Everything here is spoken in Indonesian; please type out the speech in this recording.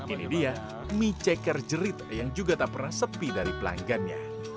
ini dia mie ceker jerit yang juga tak pernah sepi dari pelanggannya